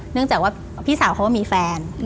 เนื่องจากว่าพี่สาวเขาก็มีแฟน